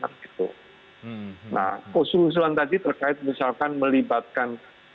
nah usul usulan tadi terkait misalkan melibatkan